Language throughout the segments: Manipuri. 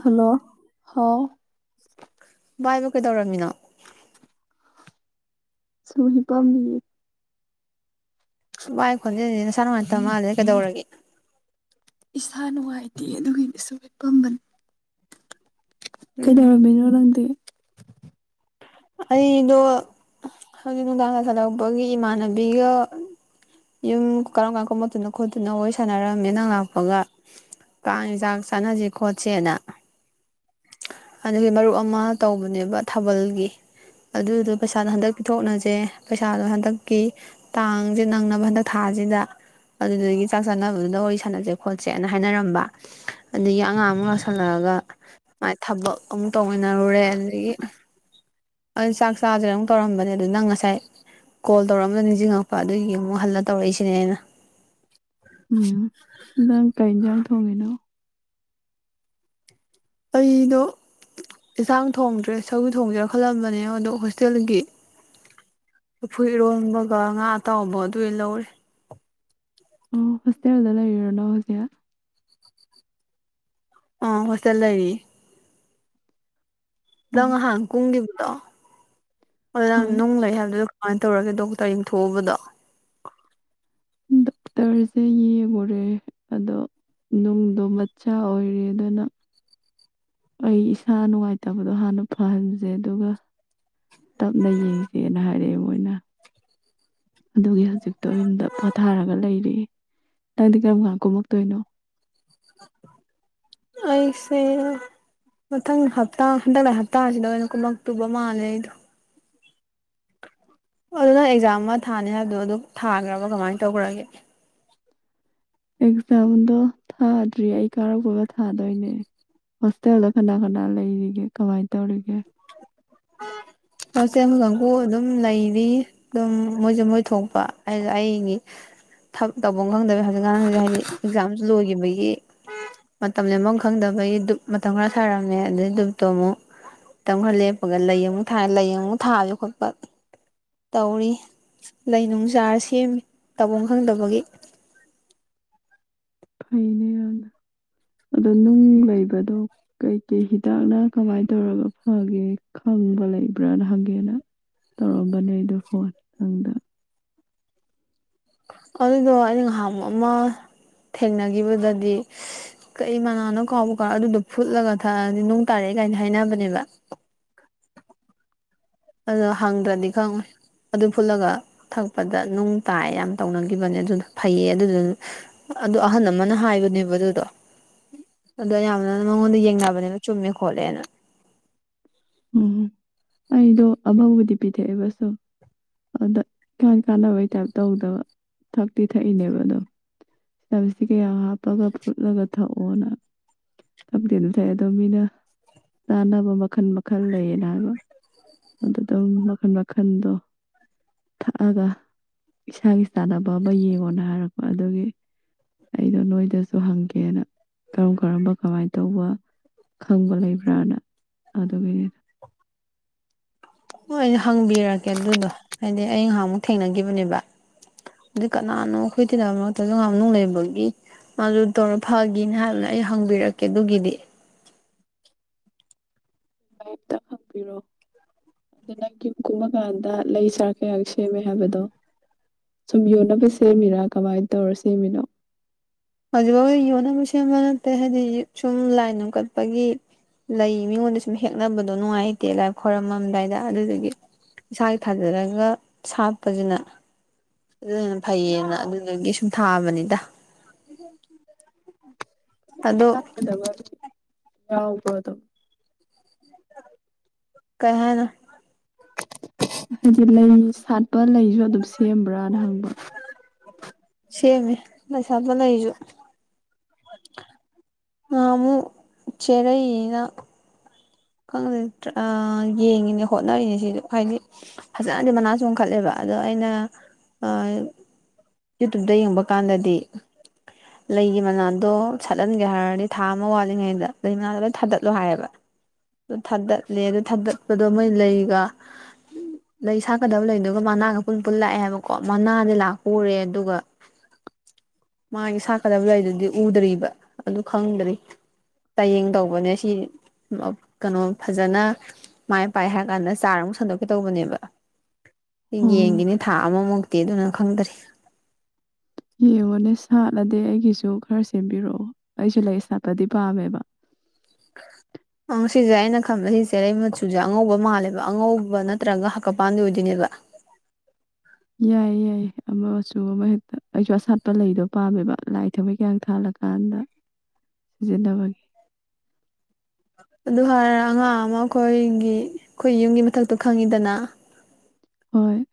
ꯍꯜꯂꯣ ꯍꯥꯎ ꯕꯥꯏꯕꯨ ꯀꯩꯗꯧꯔꯝꯃꯤꯅꯣ꯫ ꯇꯠꯇ ꯁ ꯍ ꯄꯝꯕꯤ ꯥꯏ ꯈꯣꯟꯖꯦꯜꯗꯗꯤ ꯅꯁꯥ ꯅꯨꯡꯉꯥꯏꯅꯝ ꯃꯥꯜꯂꯦ ꯀꯩꯗꯧꯔꯦ ꯏꯁꯥ ꯅꯨꯡꯉꯥꯏꯇꯦ ꯑꯗꯨꯒꯤꯗꯤ ꯁꯨꯒꯠꯄꯝꯕꯅꯤ ꯎꯝ ꯀꯩꯗꯧꯔꯝꯃꯤꯅꯣ ꯅꯪꯗꯤ ꯑꯩꯗꯣ ꯍꯧꯖꯤꯛ ꯅꯨꯡꯗꯥꯡꯗ ꯆꯠꯂꯛꯄꯒꯤ ꯏꯃꯥꯟꯅꯕꯤꯒ ꯌꯨꯝ ꯀꯔꯝ ꯀꯔ ꯀ ꯃꯠꯇꯨꯅ ꯈꯣꯠꯇꯨꯅ ꯋꯥꯔꯤ ꯁꯥꯟꯅꯔꯝꯃꯦ ꯅꯪ ꯂꯥꯛꯄꯒ ꯀꯥꯡ ꯌꯦꯟꯖꯥꯡ ꯆꯥꯟꯅꯁꯤ ꯈꯣꯠꯁꯦꯅ ꯑꯗꯨꯗꯒꯤ ꯃꯔꯨꯞ ꯑꯃ ꯇꯧꯕꯅꯦꯕ ꯊꯥꯕꯜꯒꯤ ꯑꯗꯨꯗꯣ ꯄꯩꯁꯥꯗꯣ ꯍꯟꯗꯛ ꯄꯤꯊꯣꯛꯅꯁꯦ ꯄꯩꯁꯥꯗꯣ ꯍꯟꯗꯛꯀꯤ ꯇꯥꯡꯁꯦ ꯅꯪꯅ ꯑꯗꯨ ꯍꯟꯗꯛ ꯊꯥꯁꯤꯗ ꯑꯗꯨꯗꯒꯤ ꯆꯥꯛ ꯆꯥꯅꯕꯗꯨꯗ ꯋꯥꯔꯤ ꯁꯥꯟꯅꯁꯦ ꯈꯣꯠꯁꯦꯅ ꯍꯥꯏꯅꯔꯝꯕ ꯑꯗꯒꯤ ꯑꯉꯥꯡ ꯑꯃꯨ ꯂꯧꯁꯤꯜꯂꯛꯑꯒ ꯃꯥꯏ ꯊꯕꯛ ꯑꯃꯨꯛ ꯇꯧꯃꯤꯟꯅꯔꯨꯔꯦ ꯑꯗꯒꯤ ꯑ ꯆꯥꯛ ꯆꯥꯁꯤꯔ ꯑꯃꯨꯛ ꯇꯧꯔꯝꯕꯅꯦ ꯑꯗꯨ ꯅꯪ ꯉꯁꯥꯏ ꯀꯣꯜ ꯇꯧꯔꯛꯑꯝꯗ ꯅꯤꯡꯁꯤꯡꯉꯛꯄ ꯑꯗꯨꯒꯤ ꯑꯃꯨꯛ ꯍꯜꯂ ꯇꯧꯔꯛꯏꯁꯤꯅꯦ ꯑꯩꯅ ꯎꯝ ꯅꯪ ꯀꯩ ꯌꯦꯟꯖꯥꯡ ꯊꯣꯡꯉꯤꯅꯣ ꯑꯩꯗꯣ ꯌꯦꯟꯁꯥꯡ ꯊꯣꯡꯗ꯭ꯔꯦ ꯁꯧꯒꯔ꯭ꯤ ꯊꯣꯡꯒꯦꯔꯥ ꯈꯜꯂꯝꯕꯅꯦ ꯑꯗꯣ ꯍꯣꯁꯇꯦꯜꯒꯤ ꯆꯐꯨ ꯏꯔꯣꯟꯕꯒ ꯉꯥ ꯑꯇꯥꯎꯕ ꯑꯗꯨ ꯂꯧꯔꯦ ꯑꯣ ꯍꯣꯁꯇꯦꯜꯗ ꯂꯩꯔꯤꯔꯣ ꯅꯣꯏ ꯍꯧꯖꯤꯛ꯫ ꯑ ꯍꯣꯁꯇꯦꯜꯗ ꯂꯩꯔꯤ ꯅꯪ ꯎꯝ ꯉꯍꯥꯟ ꯀꯨꯝꯈꯤꯕꯗꯣ ꯑꯗꯨ ꯅꯪ ꯍꯣꯏ ꯅꯨꯡ ꯂꯩ ꯍꯥꯏꯕꯗꯨ ꯀꯃꯥꯏꯅ ꯇꯧꯔꯒ ꯗꯣꯛꯇꯔ ꯌꯦꯡꯊꯣꯛꯎꯕꯗꯣ [unintelligible] ꯑꯗꯣ ꯂꯨꯝꯗꯣ ꯃꯆꯥ ꯑꯣꯏꯔꯦ ꯑꯗꯨꯅ꯫ ꯑꯩ ꯏꯁꯥ ꯅꯨꯡꯉꯥꯏꯇꯕꯗꯣ ꯍꯥꯟꯅ ꯐꯍꯟꯖꯦ ꯑꯗꯨꯒ ꯇꯞꯅ ꯌꯦꯡꯁꯦꯅ ꯍꯥꯏꯔꯛꯑꯦ ꯃꯣꯏꯅ ꯑꯗꯨꯒꯤ ꯍꯧꯖꯤꯛꯇꯣ ꯌꯨꯝꯗ ꯄꯣꯊꯥꯔꯒ ꯂꯩꯔꯦ ꯅꯪꯗꯤ ꯀꯔꯝ ꯃꯛꯇꯣꯏꯅꯣ ꯑꯩꯁꯦ ꯃꯊꯪ ꯍꯞꯇꯥ ꯍꯟꯗꯛ ꯍꯞꯇꯥꯁꯤꯗ ꯑꯣꯏꯅ ꯀꯨꯝꯃꯛꯇꯨꯕ ꯃꯥꯜꯂꯦ ꯑꯩꯗꯣ꯫ ꯑꯣ ꯑꯗꯨ ꯅꯪ ꯑꯦꯛꯖꯥꯝ ꯑꯃ ꯊꯥꯅꯤ ꯍꯥꯏꯕꯗꯣ ꯑꯗꯨ ꯊꯥꯈ꯭ꯔꯕ ꯀꯃꯥꯏꯅ ꯇꯧꯈ꯭ꯔꯒꯦ ꯑꯦꯛꯖꯥꯝꯗꯣ ꯊꯥꯗ꯭ꯔꯤ ꯑꯩ ꯀꯥꯔꯛꯄꯒ ꯊꯥꯗꯣꯏꯅꯦ ꯍꯣꯁꯇꯦꯜꯗ ꯀꯅꯥ ꯀꯅꯥ ꯂꯩꯔꯤꯒꯦ ꯀꯃꯥꯏꯅ ꯇꯧꯔꯤꯒꯦ ꯍꯣꯁꯇꯦꯜ ꯀꯥꯡꯕꯨꯨ ꯑꯗꯨꯝ ꯂꯩꯔꯤ ꯑꯗꯨꯝ ꯃꯣꯏꯁꯨ ꯃꯣꯏ ꯊꯣꯛꯄ ꯑꯩꯁꯨ ꯑꯩꯒꯤ ꯇꯐꯝ ꯈꯪꯗꯕ ꯍꯧꯖꯤꯛꯀꯥꯟꯁ ꯍꯥꯏꯗꯤ ꯑꯦꯛꯖꯥꯝꯁꯨ ꯂꯣꯏꯈꯤꯕꯒꯤ ꯃꯇꯝ ꯂꯦꯟꯐꯝ ꯈꯪꯗꯕꯒꯤ ꯗꯨꯛ ꯃꯇꯝ ꯈꯔ ꯁꯥꯔꯝꯃꯦ ꯑꯗꯨꯩ ꯗꯨꯞꯇꯣ ꯑꯃꯨꯛ ꯃꯇꯝ ꯈꯔ ꯂꯦꯞ ꯑꯗꯨꯒ ꯂꯩ ꯑꯃꯨꯛ ꯊꯥꯏ ꯂꯩ ꯑꯃꯨꯛ ꯊꯥꯕ ꯈꯣꯠꯄ꯫ ꯇꯧꯔꯤ ꯂꯩ ꯅꯨꯡ ꯆꯥꯔ ꯁꯦꯝꯃꯤ ꯇꯧꯐꯝ ꯈꯪꯗꯕꯒꯤ ꯑꯗꯣ ꯅꯨꯡ ꯂꯩꯕꯗꯣ ꯀꯩ ꯀꯩ ꯍꯤꯗꯥꯛꯅ ꯀꯃꯥꯏꯅ ꯇꯧꯔꯒ ꯐꯒꯦ ꯈꯪꯕ ꯂꯩꯕ꯭ꯔꯥꯅ ꯍꯪꯒꯦꯅ ꯇꯧꯔꯝꯕꯅꯦ ꯑꯗꯣ ꯀꯣ [unintelligible] ꯑꯗꯨꯗꯣ ꯑꯩꯅ ꯅꯍꯟꯃꯨꯛ ꯑꯃ ꯊꯦꯡꯅꯈꯤꯕꯗꯗꯤ꯫ ꯀꯩ ꯃꯅꯥꯅꯣ ꯀꯥꯎꯕ ꯀꯥꯎꯔ ꯑꯗꯨꯗꯣ ꯐꯨꯠꯂꯒ ꯊꯛꯑꯗꯤ ꯅꯨꯡ ꯇꯥꯔꯛꯑꯦ ꯀꯥꯏꯅ ꯍꯥꯏꯅꯕꯅꯦꯕ ꯑꯗꯣ ꯍꯪꯗ꯭ꯔꯗꯤ ꯈꯪꯉꯣꯏ ꯑꯗꯨ ꯐꯨꯠꯂꯒ ꯊꯛꯄꯗ ꯅꯨꯡ ꯇꯥꯏ ꯌꯥꯝ ꯇꯧꯅꯈꯤꯕꯅꯦ ꯑꯗꯨꯅ ꯐꯩꯌꯦ ꯑꯗꯨꯗꯨꯅ ꯑꯗꯨ ꯑꯍꯟ ꯑꯃꯅ ꯍꯥꯏꯕꯅꯦꯕ ꯑꯗꯨꯗꯣ ꯑꯗꯣ ꯌꯥꯝꯅ ꯃꯉꯣꯟꯗ ꯌꯦꯡꯅꯕꯅꯦꯕ ꯆꯨꯝꯃꯦ ꯈꯣꯠꯂꯦꯅ꯫ ꯎꯝ ꯑꯩꯗꯣ ꯑꯃꯕꯨꯗꯤ ꯄꯤꯊꯛꯑꯦꯕꯁꯨꯨꯝ꯫ ꯑꯗ ꯏꯀꯥꯟ ꯀꯥꯟꯅꯕꯩ ꯇꯥꯏꯞ ꯇꯧꯗꯕ ꯊꯛꯇꯤ ꯊꯛꯏꯅꯦꯕ ꯑꯗꯣ ꯆꯕꯤꯁꯤ ꯀꯌꯥ ꯍꯥꯞꯄꯒ ꯐꯨꯠꯂꯒ ꯊꯛꯑꯣꯅ ꯈꯗꯤ ꯑꯗꯨꯝ ꯊꯥꯏ ꯑꯗꯣ ꯃꯤꯅ ꯆꯥꯅꯕ ꯃꯈꯜ ꯃꯈꯜ ꯂꯩꯌꯦꯅ ꯍꯥꯏꯕ ꯑꯗꯨ ꯑꯗꯨꯝ ꯃꯈꯜ ꯃꯈꯟꯗꯣ ꯊꯛꯑꯒ ꯏꯁꯥꯒꯤ ꯆꯥꯟꯅꯕ ꯑꯃ ꯌꯦꯡꯉꯣꯅ ꯍꯥꯏꯔꯛꯄ ꯑꯗꯨꯒꯤ꯫ ꯑꯩꯗꯣ ꯅꯣꯏꯗꯁꯨ ꯍꯪꯒꯦꯅ ꯀꯔꯝ ꯀꯔꯝꯕ ꯀꯃꯥꯏꯅ ꯇꯧꯕ ꯈꯪꯕ ꯂꯩꯕ꯭ꯔꯅ ꯎꯝ꯫ ꯍꯣꯏ ꯍꯪꯕꯤꯔꯛꯀꯦ ꯑꯗꯨꯗꯣ ꯍꯥꯏꯗꯤ ꯑꯩ ꯉꯍꯥꯛꯃꯨꯛ ꯊꯦꯡꯅꯈꯤꯕꯅꯦꯕ ꯑꯗꯨ ꯀꯅꯥꯅꯣ ꯑꯩꯈꯣꯏ ꯇꯤꯗ ꯃꯔꯛꯇꯁꯨ ꯅꯨꯡ ꯂꯩꯕꯒꯤ ꯃꯥꯗꯨ ꯇꯧꯔ ꯐꯒꯤꯅ ꯍꯥꯏꯕꯅꯦ ꯑꯩ ꯍꯪꯕꯤꯔꯛꯀꯦ ꯑꯗꯨꯒꯤꯗꯤ ꯀꯝꯇ ꯍꯪꯕꯤꯔꯣ ꯑꯗꯨ ꯅꯪ ꯌꯨꯝ ꯀꯨꯝꯃꯀꯥꯟꯗ ꯂꯩ ꯆꯔ ꯀꯌꯥ ꯁꯦꯝꯃꯦ ꯍꯥꯏꯕꯗꯣ ꯁꯨꯝ ꯌꯣꯟꯅꯕ ꯁꯦꯝꯃꯤꯔꯥ ꯀꯃꯥꯏꯅ ꯇꯧꯔ ꯁꯦꯝꯃꯤꯅꯣ ꯍꯧꯖꯤꯛꯐꯥꯎꯗꯤ ꯌꯣꯟꯅꯕ ꯁꯦꯝꯕ ꯅꯠꯇꯦ ꯍꯥꯏꯗꯤ ꯁꯨꯝ ꯂꯥꯏ ꯅꯨꯡ ꯀꯠꯄꯒꯤ ꯂꯩ ꯃꯤꯉꯣꯟꯗ ꯁꯨꯝ ꯍꯦꯛꯅꯕꯗꯣ ꯅꯨꯡꯉꯥꯏꯇꯦ ꯂꯥꯏ ꯈꯣꯏꯔꯝꯃꯝꯗꯥꯏꯗ ꯑꯗꯨꯗꯒꯤ꯫ ꯏꯁꯥꯒꯤ ꯊꯥꯖꯔꯒ ꯁꯥꯠꯄꯁꯤꯅ ꯑꯗꯨꯅ ꯐꯩꯌꯦꯅ ꯑꯗꯨꯗꯒꯤ ꯁꯨꯝ ꯊꯥꯕꯅꯤꯗ ꯑꯗꯣ ꯊꯗ ꯌꯥꯎꯕ ꯑꯗꯨ [unintelligible] ꯀꯩ ꯍꯥꯏꯅꯣ ꯍꯥꯏꯗꯤ ꯂꯩ ꯁꯥꯠꯄ ꯂꯩꯁꯨ ꯑꯗꯨꯝ ꯁꯦꯝꯕ꯭ꯔꯥꯅ ꯍꯪꯕ ꯁꯦꯃꯤ ꯁꯥꯗꯂ ꯍꯖꯁꯨ ꯃꯍꯟꯃꯨꯛ ꯆꯦꯔꯩꯅ ꯈꯪꯗꯦ ꯌꯦꯡꯉꯤꯅꯦ ꯍꯣꯠꯅꯔꯤꯅꯦ ꯁꯤꯁꯨ ꯍꯥꯏꯗꯤ ꯐꯖꯅꯗꯤ ꯃꯅꯥ ꯆꯣꯡꯈꯠꯂꯦꯕ ꯑꯗꯣ ꯑꯩꯅ ꯌꯨꯇꯨꯞꯇ ꯌꯦꯡꯕ ꯀꯥꯟꯗꯗꯤ ꯂꯩꯒꯤ ꯃꯅꯥꯗꯣ ꯁꯥꯠꯍꯟꯒꯦ ꯍꯥꯏꯔꯗꯤ ꯊꯥ ꯑꯃ ꯋꯥꯠꯂꯤꯉꯩꯗ ꯂꯩ ꯃꯅꯥꯗꯣ ꯂꯣꯏ ꯊꯥꯗꯠꯂꯣ ꯍꯥꯏꯌꯦꯕ ꯑꯗꯨ ꯊꯥꯗꯠꯂꯦ ꯑꯗꯨ ꯊꯥꯗꯠꯄꯗꯣ ꯃꯣꯏ ꯂꯩꯒ꯫ ꯂꯩ ꯁꯥꯠꯀꯗꯕ ꯂꯩꯗꯨꯒ ꯃꯅꯥꯒ ꯄꯨꯟ ꯄꯨꯟꯅꯥ ꯂꯥꯛꯑꯦ ꯍꯥꯏꯕꯀꯣ ꯃꯅꯥꯗꯤ ꯂꯥꯛꯄꯥ ꯎꯔꯦ ꯑꯗꯨꯒ ꯃꯥꯒꯤ ꯁꯥꯠꯀꯗꯕ ꯂꯩ ꯗꯨꯗꯤ ꯎꯗ꯭ꯔꯤꯕ ꯑꯗꯨ ꯈꯪꯗ꯭ꯔꯤ ꯆꯥꯡꯌꯦꯡ ꯇꯧꯕꯅꯦ ꯁꯤꯖ ꯀꯩꯅꯣ ꯐꯖꯅ ꯃꯥꯏ ꯄꯥꯛ ꯑ ꯍꯥꯏꯔ ꯀꯥꯟꯗ ꯆꯥꯔ ꯑꯃꯨꯛ ꯁꯟꯗꯣꯛꯀꯦ ꯇꯧꯕꯅꯦꯕ꯫ ꯑꯣ ꯌꯦꯡꯒꯤꯅꯤ ꯊꯥ ꯑꯃꯃꯨꯛꯇꯤ ꯑꯗꯨꯅ ꯈꯪꯗꯔꯤ ꯌꯦꯡꯉꯣꯅꯦ ꯁꯥꯠꯂꯗꯤ ꯑꯩꯒꯤꯁꯨ ꯈꯔ ꯁꯦꯝꯕꯤꯔꯛꯑꯣ ꯑꯩꯁꯨ ꯂꯩ ꯁꯥꯠꯄꯗꯤ ꯄꯥꯝꯃꯦꯕ꯫ [unintelligible] ꯑꯪ ꯁꯤꯁꯦ ꯑꯩꯅ ꯈꯟꯕ ꯁꯤ ꯆꯦꯔꯩ ꯃꯆꯨꯁꯦ ꯑꯉꯧꯕ ꯃꯥꯜꯂꯦꯕ ꯑꯉꯧꯕ ꯅꯠꯇ꯭ꯔꯒ ꯍꯥꯛꯀꯄꯥꯟꯗꯤ ꯑꯣꯏꯗꯣꯏꯅꯦꯕ꯫ ꯌꯥꯏꯌꯦ ꯌꯥꯏ ꯑꯃ ꯃꯆꯨ ꯑꯃ ꯍꯦꯛꯇ ꯑꯩꯁꯨ ꯑꯁꯥꯠꯄ ꯂꯩꯗꯣ ꯄꯥꯝꯃꯦꯕ ꯂꯥꯏ ꯊꯥꯃꯩ ꯀꯌꯥ ꯊꯥꯜꯂꯛꯒ꯫ ꯍꯥꯟꯗ ꯁꯤꯖꯤꯟꯅꯕꯒꯤ꯫ ꯑꯗꯨ ꯍꯥꯏꯔ ꯑꯉꯥꯡ ꯑꯃ ꯑꯩꯈꯣꯏꯒꯤ ꯑꯩꯈꯣꯏ ꯌꯨꯝꯒꯤ ꯃꯊꯛꯇꯣ ꯈꯪꯉꯤꯗꯅ ꯍꯣꯏ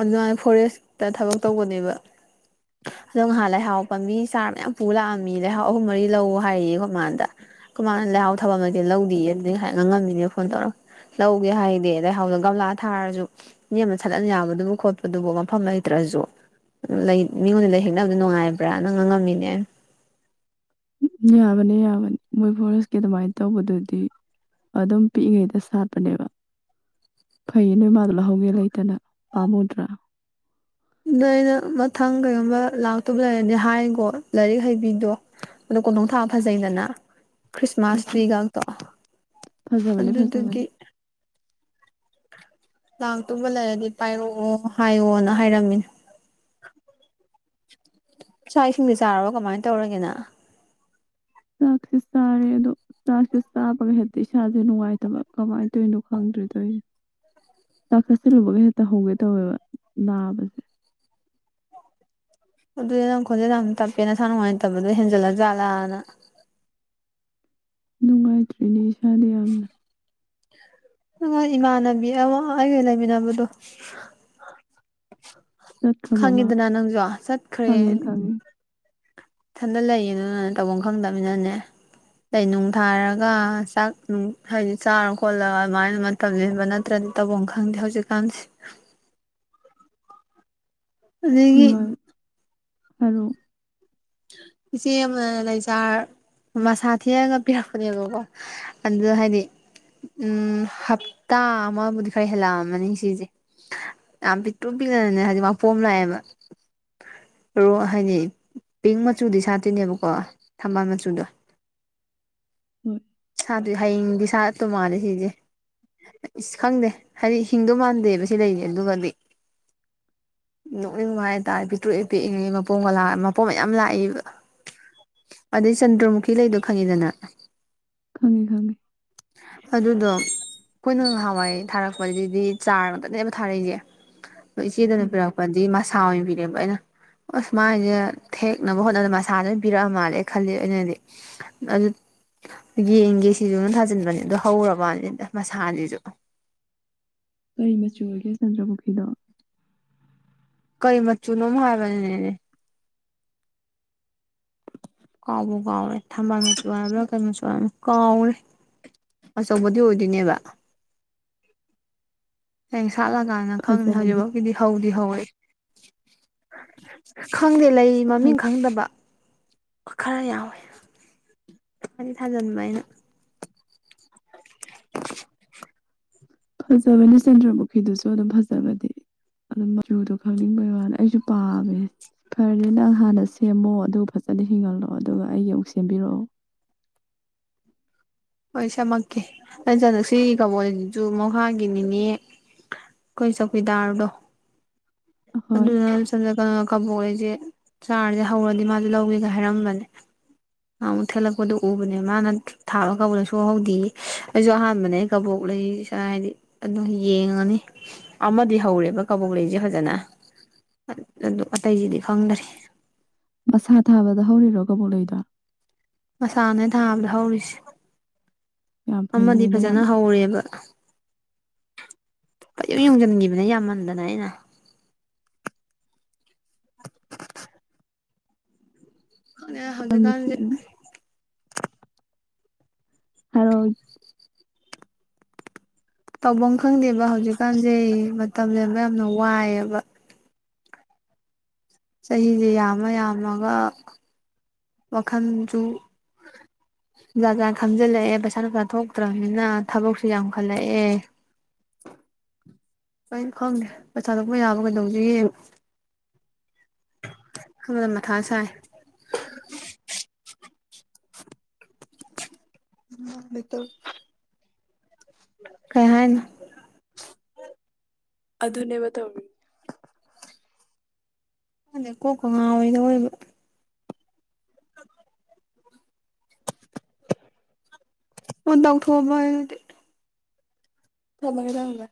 ꯑꯗꯨꯃꯥꯏꯅ ꯐꯣꯔꯦꯁꯇ ꯊꯕꯛ ꯇꯧꯕꯅꯦꯕ ꯑꯗꯣ ꯉꯥꯍꯥꯟ ꯂꯩꯍꯥꯎ ꯄꯥꯕꯤ ꯆꯥꯔ ꯃꯌꯥꯝ ꯄꯨ ꯂꯥꯛꯑꯝꯃꯤ ꯂꯩꯍꯥꯎ ꯑꯍꯨꯝ ꯃꯔꯤ ꯂꯧ ꯍꯥꯏꯌꯦꯌꯦ ꯑꯩꯈꯣꯏ ꯃꯥ ꯗ ꯑꯩꯈꯣꯏ ꯃꯥ ꯅ ꯂꯩꯍꯥꯎ ꯊꯕꯛ ꯂꯩꯇꯦꯅ ꯂꯧꯗꯦꯌꯦ ꯑꯗꯨꯅ ꯍꯥꯏꯅ ꯉꯝꯃꯤꯅꯦ ꯐꯣꯟ ꯇꯧꯔꯒ ꯂꯧꯒꯦ ꯍꯥꯏꯗꯦ ꯂꯩꯍꯥꯎ ꯒꯝꯂꯥ ꯊꯥꯔꯁꯨ ꯅꯦꯝꯅ ꯁꯠꯍꯟ ꯌꯥꯕꯗꯨ ꯑꯗꯨꯕꯨ ꯈꯣꯠꯄꯗꯨꯕꯨ ꯃꯐꯝ ꯂꯩꯇ꯭ꯔꯁꯨ꯫ ꯂꯩ ꯃꯤꯉꯣꯟꯗꯩ ꯂꯩ ꯍꯦꯛꯅꯕꯗꯣ ꯅꯨꯡꯉꯥꯏꯕ꯭ꯔꯥ ꯅꯪ ꯉꯥꯡꯉꯝꯃꯤꯅꯦ ꯎ ꯌꯥꯝꯕꯅꯤ ꯌꯥꯕꯅꯤ ꯃꯣꯏ ꯐꯣꯔꯦꯁꯀꯤ ꯑꯗꯨꯃꯥꯏꯅ ꯇꯧꯕꯗꯨꯗꯤ ꯑꯗꯨꯝ ꯄꯤꯛꯏꯉꯩꯗ ꯁꯥꯠꯄꯅꯦꯕ꯫ ꯐꯩꯌꯦ ꯅꯣꯏ ꯃꯥ ꯗꯣ ꯂꯧꯍꯧꯒꯦ ꯂꯩꯇꯅ ꯄꯥꯝꯃꯨꯗ꯭ꯔꯥ ꯅꯣꯏꯅ ꯃꯊꯪ ꯀꯩꯒꯨꯝꯕ ꯂꯥꯛꯇꯧꯕ ꯂꯩꯔꯗꯤ ꯍꯥꯏꯒꯣ ꯂꯥꯏꯔꯤꯛ ꯍꯩꯕꯤꯗꯣ ꯑꯗꯣ ꯀꯣꯟꯊꯣꯡꯗ ꯊꯕꯥ ꯐꯖꯩꯗꯅ ꯈ꯭ꯔꯤꯁꯃꯥꯁ ꯇ꯭ꯔꯤ ꯐꯖ- ꯒꯥꯛꯇꯣ ꯐꯖꯕꯅꯦ ꯑꯗꯨꯗꯨꯒꯤ ꯐꯖꯕꯅꯦ ꯂꯥꯛꯇꯨꯕ ꯂꯩꯔꯗꯤ ꯄꯥꯏꯔꯛꯑꯣ ꯍꯥꯏꯌꯣꯅ ꯍꯥꯏꯔꯝꯃꯤꯅꯦ꯫ ꯆꯥꯛ ꯏꯁꯤꯡꯗꯤ ꯆꯥꯔꯕꯣ ꯀꯃꯥꯏꯅ ꯇꯧꯔꯒꯦ ꯅꯪ ꯆꯥꯛꯁꯦ ꯆꯥꯔꯦ ꯑꯗꯣ ꯆꯥꯛꯁꯦ ꯆꯥꯕꯒ ꯍꯦꯛꯇ ꯏꯁꯥꯁꯦ ꯅꯨꯡꯉꯥꯏꯇꯕ ꯀꯃꯥꯏ ꯇꯣꯏꯅꯣ ꯈꯪꯗ꯭ꯦ ꯇꯧꯁꯦ ꯆꯥꯈꯠꯁꯤꯜꯂꯨꯕꯒ ꯍꯦꯛꯇ ꯍꯧꯒꯦ ꯇꯧꯋꯦꯕ ꯅꯥꯕꯁꯦ ꯑꯗꯨꯗꯤ ꯅꯪ ꯈꯣꯟꯖꯦꯜ ꯌꯥꯝ ꯇꯞꯄꯦ ꯅꯁꯥ ꯅꯨꯡꯉꯥꯏ ꯇꯕꯗꯣ ꯍꯦꯟꯖꯜꯂ ꯆꯥꯠꯂꯥꯅ ꯅꯨꯡꯉꯥꯏꯇ꯭ꯔꯤꯅꯦ ꯏꯁꯥꯗꯤ ꯌꯥꯝꯅ꯫ ꯅꯉꯣꯏ ꯏꯃꯥꯟꯅꯕꯤ ꯑꯃ ꯑꯩꯒ ꯂꯩꯃꯤꯟꯅꯕꯗꯣ ꯆꯠꯈ꯭ꯔꯕꯣ ꯃꯥ ꯈꯪꯉꯤꯗꯅ ꯅꯪꯁꯨ ꯆꯠꯈ꯭ꯔꯦ ꯈꯪꯉꯦ ꯈꯪꯉꯦ ꯏꯊꯟꯗ ꯂꯩꯌꯦ ꯑꯗꯨ ꯅꯅ ꯇꯧꯐꯝ ꯈꯪꯗꯕꯅꯤꯅꯅꯦ ꯂꯩꯩꯅꯨꯡ ꯊꯥꯔꯒ ꯆꯥꯛ ꯅꯨꯡ ꯍꯥꯏꯗꯤ ꯆꯥꯔ ꯈꯣꯠꯂꯒ ꯑꯗꯨꯃꯥꯏꯅ꯫ ꯇꯧꯂꯕ ꯅꯠꯇ꯭ꯔꯗꯤ ꯇꯧꯐꯝ ꯈꯪꯗꯦ ꯍꯧꯖꯤꯛꯀꯥꯟꯁꯦ ꯑꯗꯒꯤ꯫ ꯑ ꯏꯆꯦ ꯑꯃ ꯂꯩꯆꯥꯔ ꯃꯁꯥ ꯊꯦꯛꯑꯒ ꯄꯤꯔꯛꯄꯅꯦꯕꯀꯣ꯫ ꯑꯗꯨ ꯍꯥꯏꯗꯤ ꯎꯝ ꯍꯞꯇꯥ ꯑꯃꯕꯨꯗꯤ ꯈꯔ ꯍꯦꯜꯂꯛꯑꯝꯃꯅꯤ ꯁꯤꯁꯦ꯫ ꯌꯥꯝ ꯄꯤꯛꯇꯣ ꯄꯤꯛꯅꯅꯅꯦ ꯍꯥꯏꯗꯤ ꯃꯥꯄꯣꯝ ꯂꯥꯛꯑꯦꯕ ꯔꯣ ꯍꯥꯏꯗꯤ ꯄꯤꯡ ꯃꯆꯨꯗꯤ ꯁꯥꯠꯇꯤꯅꯦꯕꯀꯣ ꯊꯝꯕꯥꯜ ꯃꯆꯨꯗꯣ ꯍꯣꯏ ꯁꯥꯗ ꯍꯌꯦꯡꯗꯤ ꯁꯥꯠꯇꯧ ꯃꯥꯜꯂꯦ ꯁꯤꯁꯦ ꯏꯁ ꯈꯪꯗꯦ ꯍꯥꯏꯗꯤ ꯍꯤꯡꯗꯧ ꯃꯥꯟꯗꯦꯕ ꯁꯤ ꯂꯩꯔꯤ ꯑꯗꯨꯒꯗꯤ ꯅꯣꯛꯅꯤꯡ ꯍꯥꯏꯇꯥꯔꯦ ꯄꯤꯛꯇ꯭ꯔꯨꯏ ꯄꯤꯛꯏꯉꯩ ꯃꯄꯣꯝꯒꯥ ꯃꯄꯣꯝ ꯃꯌꯥꯝ ꯂꯥꯛꯏꯕ꯫ ꯑꯗꯩ ꯆꯟꯗ꯭ꯔꯃꯨꯈꯤ ꯂꯩꯗꯣ ꯈꯪꯉꯤꯗꯅ ꯈꯪꯉꯦ ꯈꯪꯉꯦ꯫ ꯑꯗꯨꯗꯣ ꯑꯩꯈꯣꯏꯅ ꯉꯍꯥꯟꯋꯥꯏ ꯊꯥꯔꯛꯄꯗꯗꯤ ꯆꯥꯔ ꯉꯇꯅꯦꯕ ꯊꯥꯔꯛꯏꯌꯦꯦ ꯑꯗꯣ ꯏꯆꯦꯗꯅ ꯎꯝ ꯄꯤꯔꯛꯄꯗꯤ ꯃꯁꯥ ꯑꯣꯏꯅ ꯄꯤꯔꯛꯑꯕ ꯑꯩꯅ ꯑꯁꯨꯃꯥꯏꯁꯦ ꯊꯦꯛꯅꯕ ꯍꯣꯠꯅꯕꯗ ꯃꯁꯥꯁꯦ ꯑꯗꯨꯝ ꯄꯤꯔꯛꯑ ꯃꯥꯜꯂꯦ ꯈꯜꯂꯤ ꯑꯩꯅꯗꯤ꯫ ꯑꯗꯨ ꯌꯦꯡꯒꯦ ꯁꯤꯁꯨ ꯑꯗꯨ ꯊꯥꯖꯤꯟꯕꯅꯦ ꯑꯗꯨ ꯍꯧꯔꯕꯅꯤ ꯃꯁꯥꯁꯤꯁꯨ ꯀꯩ ꯃꯆꯨ ꯑꯣꯏꯒꯦ ꯆꯟꯗ꯭ꯔ ꯄꯨꯈꯈꯤꯗꯣ ꯀꯔꯤ ꯃꯆꯨꯅꯣꯝ ꯍꯥꯏꯕꯅꯤꯅꯦꯅꯦ꯫ ꯀꯥꯎꯕ ꯀꯥꯎꯔꯦ ꯊꯝꯕꯥꯜ ꯃꯁꯨꯨ ꯋꯥꯔꯕ꯭ꯔꯥ ꯀꯩꯣ ꯃꯆꯨ ꯋꯥꯔꯕ ꯀꯥꯎꯔꯦ ꯑꯆꯧꯕꯗꯤ ꯑꯣꯏꯗꯣꯏꯅꯦꯕ ꯍꯌꯦꯡ ꯁꯥꯠꯂ ꯀꯥꯟꯗ ꯈꯪꯗꯦ ꯐꯖꯕꯅꯤ ꯍꯧꯖꯤꯛꯐꯥꯎꯒꯤꯗꯤ ꯍꯧꯗꯤ ꯍꯧꯔꯛ ꯈꯪꯗꯦ ꯂꯩ ꯃꯃꯤꯡ ꯐꯖ ꯈꯪꯗꯕ ꯈꯔ ꯌꯥꯎꯋꯦ ꯈꯗꯤ ꯊꯥꯖꯟꯕ ꯍꯥꯏꯅ [unintelligible] ꯐꯖꯕꯅꯤ ꯁꯦꯟꯗ꯭ꯔꯃꯨꯈꯤꯗꯨꯁꯨ ꯑꯗꯨꯝ ꯐꯖꯕꯅꯦ ꯑꯗꯨ ꯃꯆꯨꯗꯣ ꯈꯪꯅꯤꯡꯕꯩ ꯋꯥꯅꯤ ꯑꯩꯁꯨ ꯄꯥꯝꯃꯦ ꯐꯔꯦ ꯅꯪ ꯍꯥꯟꯅ ꯁꯦꯝꯃꯣ ꯑꯗꯨꯒ ꯐꯖꯅ ꯍꯤꯡꯒꯜꯂꯣ ꯑꯗꯨꯒ ꯑꯩꯒꯤ ꯑꯃꯨꯛ ꯁꯦꯝꯕꯤꯔꯛꯑꯣ ꯍꯣꯏ ꯁꯝꯃꯛꯀꯦ ꯅꯪ ꯆꯗꯨꯁꯤ ꯁꯤꯒꯤ ꯀꯥꯕꯣꯛ ꯁꯤꯁꯨ ꯃꯍꯥꯒꯤꯅꯤꯅꯦ꯫ ꯑꯩꯈꯣꯏ ꯆꯧꯀꯤꯗꯥꯔꯗꯣ ꯑꯍꯣꯏ ꯑꯗꯨꯅ꯫ ꯁꯝꯗ ꯀꯩꯅꯣ ꯀꯕꯣꯛ ꯑꯩꯁꯦ ꯆꯥꯔꯁꯦ ꯍꯧꯔꯗꯤ ꯃꯥꯁꯦ ꯂꯧꯒꯦꯒ ꯍꯥꯏꯔꯝꯕꯅꯦ ꯑ ꯑꯃꯨꯛ ꯊꯦꯠꯂꯛꯄꯗꯨ ꯎꯕꯅꯦ ꯃꯥꯅ ꯊꯥꯔ ꯀꯕꯣꯛꯗ ꯁꯣꯛꯍꯧꯗꯦꯌꯦ ꯑꯩꯁꯨ ꯑꯍꯥꯟꯕꯅꯦ ꯑꯩ ꯀꯕꯣꯛ ꯂꯩ ꯁꯣꯔ ꯍꯥꯏꯗꯤ ꯑꯗꯨ ꯌꯦꯡꯉꯅꯤ꯫ ꯑꯃꯗꯤ ꯍꯧꯔꯦꯕ ꯀꯕꯣꯛ ꯂꯩꯁꯦ ꯐꯖꯅ ꯑꯗꯨ ꯑꯇꯩꯁꯤꯗꯤ ꯈꯪꯗꯔꯤꯦ ꯃꯁꯥ ꯊꯥꯕꯗ ꯍꯧꯔꯤꯔꯣ ꯀꯕꯣꯛ ꯂꯩꯣꯏ꯭ꯔꯣ ꯃꯁꯥꯅ ꯊꯥꯕꯗ ꯍꯧꯔꯤꯁꯦ ꯌꯥꯝ ꯐꯩꯅꯦ ꯑꯃꯗꯤ ꯅꯪ ꯌꯥꯝ ꯐꯖꯅ ꯍꯧꯔꯦꯕ ꯀ ꯑꯗꯨꯨꯝ ꯌꯡꯁꯤꯟꯈꯤꯕꯅꯦ ꯌꯥꯝꯃꯟꯗꯅ ꯑꯩꯅ ꯑꯗꯨꯅꯦ ꯌꯥꯝ ꯅꯨꯡꯁꯤ ꯍꯧꯖꯤꯛꯀꯥꯟꯁꯤ꯫ [unintelligible] ꯇꯧꯐꯝ ꯈꯪꯗꯦꯕ ꯍꯧꯖꯤꯛꯀꯥꯟꯁꯦ ꯃꯇꯝ ꯂꯦꯟꯕ ꯌꯥꯝꯅ ꯋꯥꯏꯌꯦꯕ꯫ ꯆꯍꯤꯁꯦ ꯌꯥꯝꯃ ꯌꯥꯝꯃꯒ ꯃꯈꯜꯁꯨ ꯖꯥ ꯖꯥ ꯈꯥꯝꯖꯜꯂꯛꯑꯦ ꯄꯩꯁꯥ ꯅꯨꯡꯁꯥ ꯊꯣꯛꯇ꯭ꯔꯕꯅꯤꯅ ꯊꯕꯛꯁꯨ ꯌꯥꯝꯡꯈꯠꯂꯛꯑꯦ [inaudible] ꯂꯣꯏꯅ ꯈꯪꯗꯦ ꯄꯩꯁꯥ ꯊꯣꯛꯄ ꯌꯥꯕ ꯀꯩꯗꯧꯁꯦ ꯌꯦꯡ꯫ ꯍꯗ ꯃ ꯊꯥ ꯆꯥꯏ [inaudible] ꯎꯝ ꯅꯇ ꯀꯩꯍꯥꯏꯅ ꯑꯗꯨꯅꯦꯕ ꯇꯧꯋ ꯑꯗ ꯀꯣꯛꯀ ꯉꯥꯣꯏꯗ ꯑꯣꯏꯕ ꯑꯣ ꯇꯧꯊꯣꯛꯕ ꯑꯗꯨꯗꯤ꯫ ꯊꯃꯒꯗ